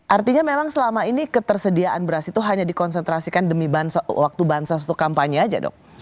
artinya memang selama ini ketersediaan beras itu hanya dikonsentrasikan demi waktu bansos untuk kampanye aja dok